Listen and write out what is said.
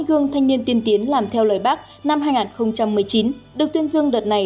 hai mươi gương thanh niên tiên tiến làm theo lời bác năm hai nghìn một mươi chín được tuyên dương đợt này